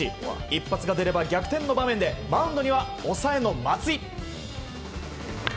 一発が出れば逆転の場面でマウンドには抑えの松井。